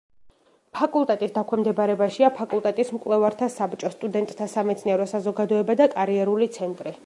ფაკულტეტის დაქვემდებარებაშია ფაკულტეტის მკვლევართა საბჭო, სტუდენტთა სამეცნიერო საზოგადოება და კარიერული ცენტრი.